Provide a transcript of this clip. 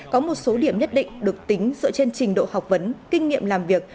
có một số điểm nhất định được tính dựa trên trình độ học vấn kinh nghiệm làm việc